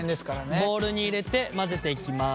ボウルに入れて混ぜていきます。